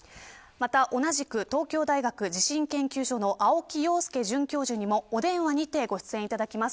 また同じく東京大学地震研究所の青木陽介准教授にもお電話にてご出演いただきます。